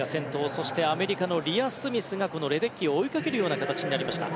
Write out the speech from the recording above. そしてアメリカのリア・スミスがレデッキーを追いかけるような形になりました。